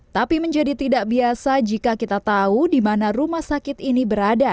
tapi menjadi tidak biasa jika kita tahu di mana rumah sakit ini berada